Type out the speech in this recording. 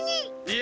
え？